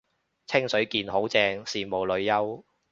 清水健好正，羨慕女優